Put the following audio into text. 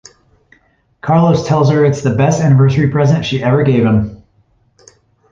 Carlos tells her it's the best anniversary present she ever gave him.